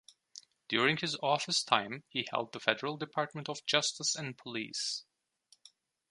During his office time he held the Federal Department of Justice and Police.